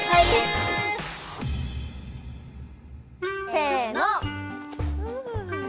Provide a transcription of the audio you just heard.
せの！